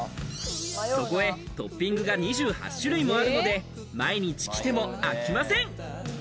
そこへトッピングが２８種類もあるので、毎日来ても飽きません。